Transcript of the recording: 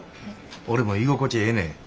俺も居心地ええねん。